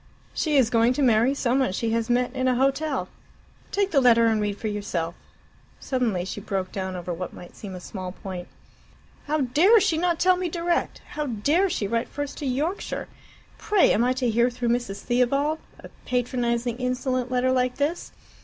She is going to marry some one she has met in a hotel. Take the letter and read for yourself." Suddenly she broke down over what might seem a small point. "How dare she not tell me direct! How dare she write first to Yorkshire! Pray, am I to hear through Mrs. Theobald a patronizing, insolent letter like this?